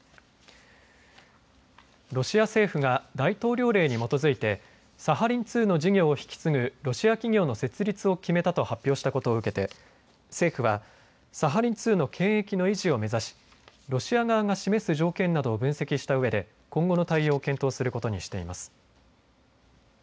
ロシア政府が大統領令に基づいてサハリン２の事業を引き継ぐロシア企業の設立を決めたと発表したことを受けて政府はサハリン２の権益の維持を目指しロシア側が示す条件などを分析したうえで今後の対応を検討することにしています。